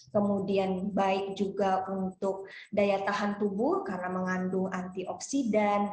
kemudian baik juga untuk daya tahan tubuh karena mengandung antioksidan